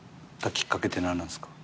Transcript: きっかけって何なんですか？